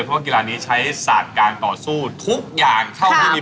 ก็คือศึกสังเวียนเดือดวันชั้มพินที่